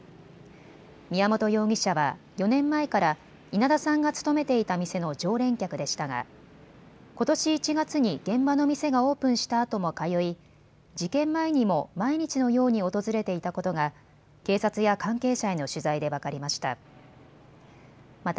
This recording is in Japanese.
宮本容疑者は４年前から稲田さんが勤めていた店の常連客でしたがことし１月に現場の店がオープンしたあとも通い、事件前にも毎日のように訪れていたことが警察や関係者への取材で分かりました。